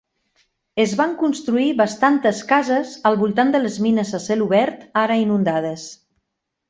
Es van construir bastantes cases al voltant de les mines a cel obert, ara inundades.